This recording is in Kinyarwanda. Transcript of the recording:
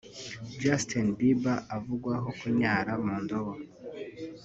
Justin Bieber avugwaho kunyara mu ndobo